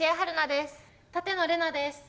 舘野伶奈です。